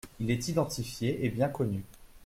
Il est identifié et bien connu.